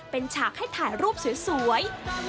เป็นฉากให้ถ่ายรูปสวย